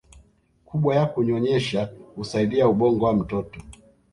kubwa ya kunyonyesha husaidia ubongo wa mtoto